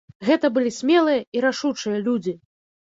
Гэта былі смелыя і рашучыя людзі.